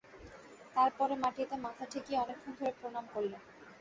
তার পরে মাটিতে মাথা ঠেকিয়ে অনেকক্ষণ ধরে প্রণাম করলে।